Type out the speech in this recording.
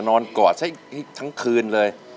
จะนอนกลอดไว้คืนเลย